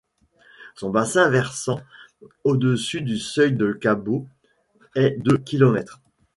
Son bassin versant au-dessus du seuil de Kabo est de km.